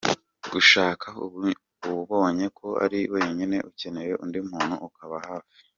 Gushaka ubonye ko uri wenyine ukeneye undi muntu ukuba hafi.